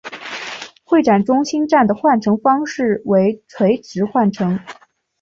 会展中心站的换乘方式为垂直换乘。